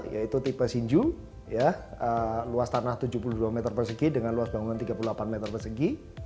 yaitu tipe sinju luas tanah tujuh puluh dua meter persegi dengan luas bangunan tiga puluh delapan meter persegi